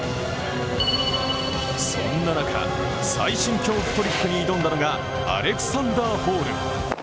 そんな中、最新恐怖トリックに挑んだのがアレクサンダー・ホール。